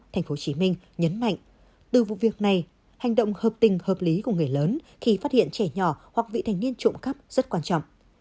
tp hcm nhấn mạnh từ vụ việc này hành động hợp tình hợp lý của người lớn khi phát hiện trẻ nhỏ hoặc vị thành niên trộm cắp rất quan trọng